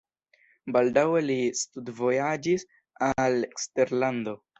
Baldaŭe li studvojaĝis al eksterlando.